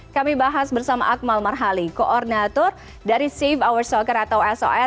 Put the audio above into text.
kami bahas bersama akmal marhali koordinator dari save our soccer atau sor